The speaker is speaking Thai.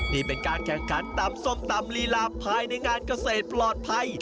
นี่เป็นการแข่งขันตำส้มตำลีลาภายในงานเกษตรปลอดภัย